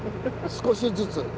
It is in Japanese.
少しずつ。